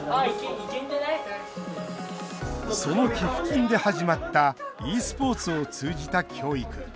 その寄付金で始まったｅスポーツを通じた教育。